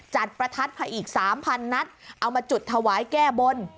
ประทัดมาอีก๓๐๐นัดเอามาจุดถวายแก้บน